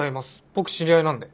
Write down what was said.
僕知り合いなんで。